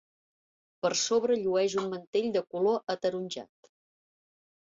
Per sobre llueix un mantell de color ataronjat.